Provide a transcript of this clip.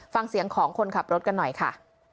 ฟังเสียงของคนขับรถกันหน่อยค่ะ